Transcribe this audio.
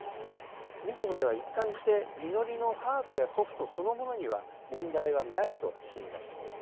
みずほでは一貫してＭＩＮＯＲＩのハードやソフトそのものには問題はないとしています。